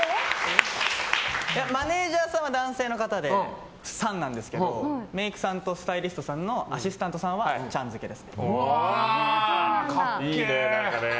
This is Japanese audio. マネジャーさんは男性の方で、さんなんですけどメイクさんとスタイリストさんのアシスタントさんはカッケー！